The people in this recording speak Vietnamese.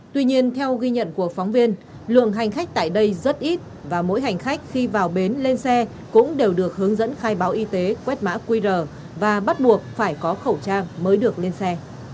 tuy nhiên theo ghi nhận của phóng viên lượng hành khách tại đây rất ít và mỗi hành khách khi vào bến lên xe cũng đều được hướng dẫn khai báo y tế quét mã qr và bắt buộc phải có khẩu trang mới được lên xe